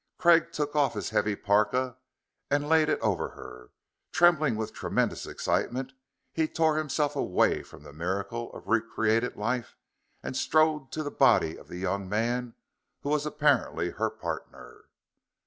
Craig took off his heavy parka and laid it over her. Trembling with tremendous excitement, he tore himself away from the miracle of re created life, and strode to the body of the young man who was apparently her partner.